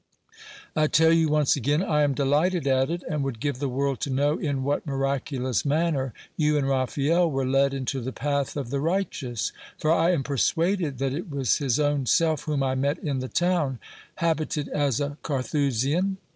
I tell you once again, 1 am delighted at it, and would give the world to know in what miraculous manner you and Raphael were led into the path of the righteous ; for I am persuaded that it was his own self whom I met in the town, habited as a Carthusian.